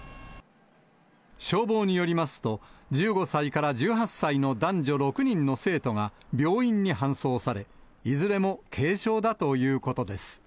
消防によりますと、１５歳から１８歳の男女６人の生徒が病院に搬送され、いずれも軽症だということです。